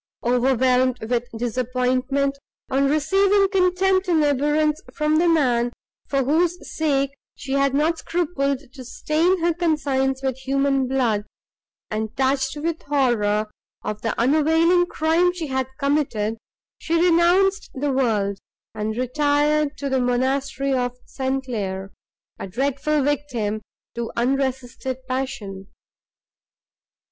Overwhelmed with disappointment, on receiving contempt and abhorrence from the man, for whose sake she had not scrupled to stain her conscience with human blood, and, touched with horror of the unavailing crime she had committed, she renounced the world, and retired to the monastery of St. Claire, a dreadful victim to unresisted passion.